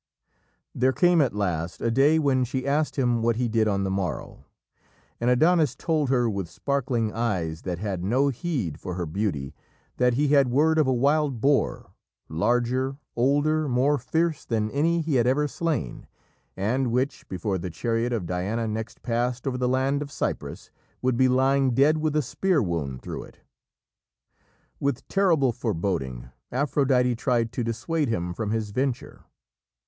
There came at last a day when she asked him what he did on the morrow, and Adonis told her with sparkling eyes that had no heed for her beauty, that he had word of a wild boar, larger, older, more fierce than any he had ever slain, and which, before the chariot of Diana next passed over the land of Cyprus, would be lying dead with a spear wound through it. With terrible foreboding, Aphrodite tried to dissuade him from his venture.